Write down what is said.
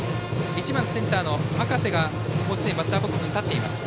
１番センターの赤瀬がバッターボックスに立っています。